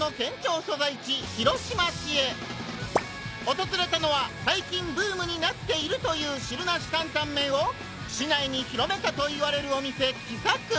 訪れたのは最近ブームになっているという「汁なし担々麺を市内に広めた」と言われるお店『きさく』！